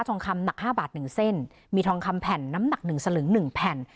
ทองคำหนักห้าบาทหนึ่งเส้นมีทองคำแผ่นน้ำหนักหนึ่งสลึงหนึ่งแผ่น